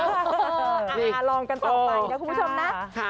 เออลองกันสองฝั่งนะคุณผู้ชมนะ